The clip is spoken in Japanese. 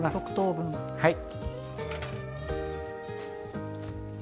はい。